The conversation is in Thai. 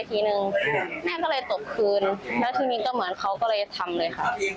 ก็สี่หนักกว่าเดิมเลย